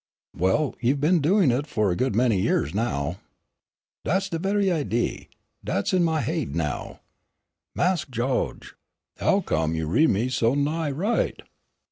"Well, you've been doing it for a good many years now." "Dat's de very idee, dat's in my haid now. Mas' Gawge, huccume you read me so nigh right?"